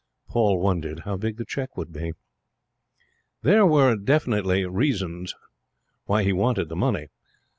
Paul wondered how big the cheque would be. There were reasons why he wanted the money.